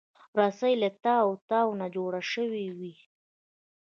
رسۍ له تاو تاو نه جوړه شوې وي.